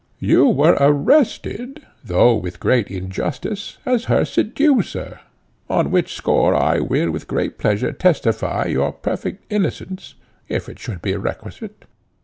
You were arrested, though with great injustice, as her seducer, on which score I will with great pleasure testify your perfect innocence, if it should be requisite.